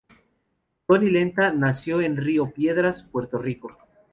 Tony Lenta, nació en Río Piedras, Puerto Rico.